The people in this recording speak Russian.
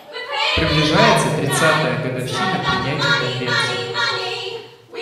Приближается тридцатая годовщина принятия Конвенции.